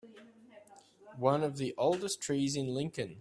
One of the oldest trees in Lincoln.